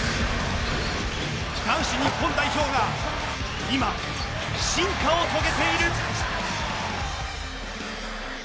男子日本代表が今、進化を遂げている。